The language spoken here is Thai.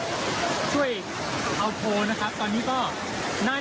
มีอีกบ้าง